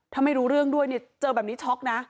ถ้าไม่รู้เรื่องด้วยเนี่ยเจอแบบนี้ช็อกนะ